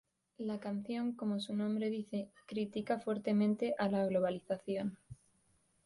La canción, como su nombre dice, critica fuertemente a la Globalización.